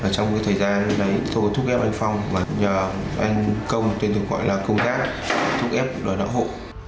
trong thời gian đấy tôi thu ép anh phong và nhờ anh công tên tôi gọi là công giác thu ép đòi đảo hộ